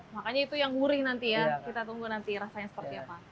makanya itu yang gurih nanti ya kita tunggu nanti rasain seperti apa oke mas